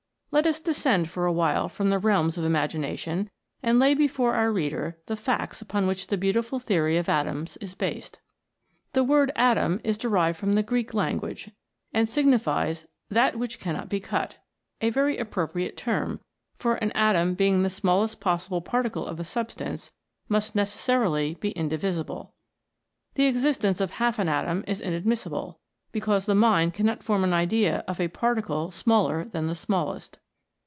Let us descend for a while from the realms of imagination, and lay before our reader the facts upon which the beautiful theory of atoms is based. The word "atom" is derived from the Greek lan guage, and signifies " that which cannot be cut," a very appropriate term, for an atom being the smallest possible particle of a substance, must neces sarily be indivisible. The existence of half an atom is inadmissible, because the mind cannot form an idea of a particle smaller than the smallest.